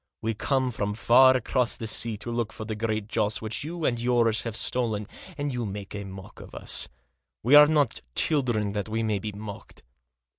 We come from far across the sea to look for the Great Joss, which you and yours have stolen, and you make a mock of us. We are not children that we may be mocked.